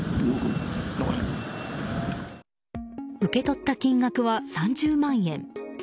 受け取った金額は３０万円。